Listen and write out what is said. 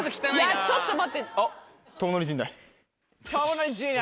いやちょっと待って。